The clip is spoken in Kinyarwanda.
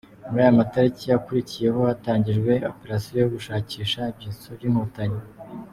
Muri aya matariki yakurikiyeho hatangijwe opération yo gushakisha ibyitso by’inkotanyi.